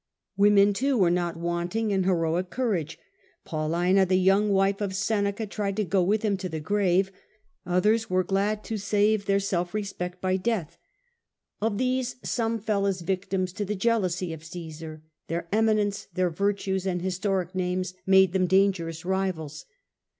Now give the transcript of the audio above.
Women too were not wanting in heroic courage. Paulina, the young wife of Seneca, among the tried to go with him to the grave. Others were glad to save their self respect by death. Of these 1 • 1 16 The Earlier Effipire. a.d. 54 68. some fell as victims to the jealousy of Caesar ; their emi nence, their virtues, and historic names made different ° them dangerous rivals.